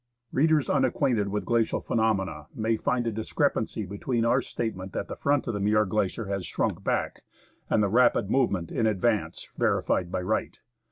^ Readers unacquainted with glacial phenomena may find a discrepancy between our statement that the front of the Muir Glacier has shrunk back, and the rapid move ment in advance verified by Wright.